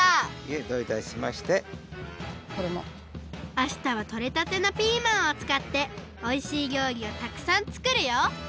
あしたはとれたてのピーマンをつかっておいしいりょうりをたくさんつくるよ。